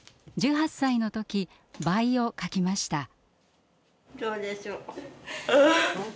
１８歳のとき「倍」を書きました。